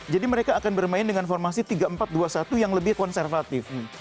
jadi mereka akan bermain dengan formasi tiga empat dua satu yang lebih konservatif